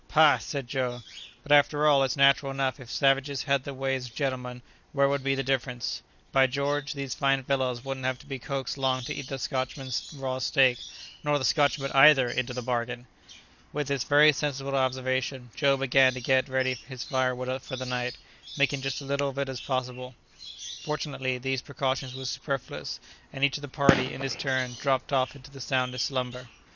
"Pah!" said Joe, "but, after all, it's natural enough. If savages had the ways of gentlemen, where would be the difference? By George, these fine fellows wouldn't have to be coaxed long to eat the Scotchman's raw steak, nor the Scotchman either, into the bargain!" With this very sensible observation, Joe began to get ready his firewood for the night, making just as little of it as possible. Fortunately, these precautions were superfluous; and each of the party, in his turn, dropped off into the soundest slumber.